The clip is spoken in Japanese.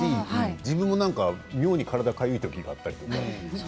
自分も妙に体がかゆいときがあったりね。